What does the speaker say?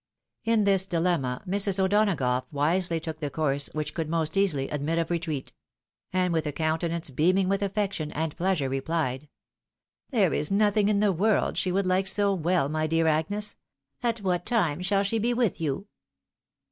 In this dilemma, Mrs. O'Donagough wisely took the course which could most easily admit of retreat ; and with a coun tenance beaming with affection and pleasure replied, " There is nothing in the world she would hke so well, my dear Agnes ! At what time shall she be with you